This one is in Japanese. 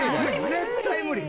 絶対無理！